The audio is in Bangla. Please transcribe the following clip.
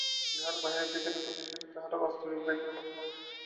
যাহারা বাহিরে দেখিতে খুব বিশ্বাসী, তাহারা বাস্তবিক ভিতরে প্রচণ্ড অবিশ্বাসী।